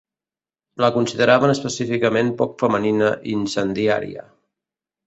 La consideraven específicament poc femenina i incendiària.